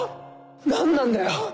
何なんだよ